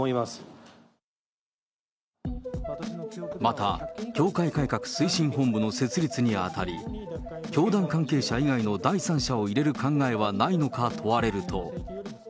また、教会改革推進本部の設立に当たり、教団関係者以外の第三者を入れる考えはないのか問われると。